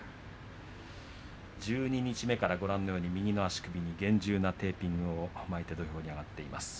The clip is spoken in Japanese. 十二日目から右の足首に厳重なテーピングを巻いて土俵に上がっています。